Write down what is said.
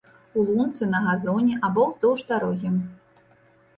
У лунцы, на газоне або ўздоўж дарогі.